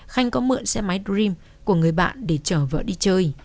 khanh có mượn xe máy dream của người bạn để chở vợ đi chơi